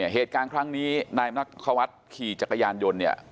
เหตุการณ์ครั้งนี้นายมักควัฒน์ขี่จักรยานยนต์เนี่ย